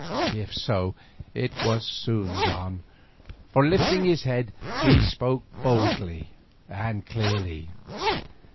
If so, it was soon gone, for lifting his head, he spoke boldly and clearly.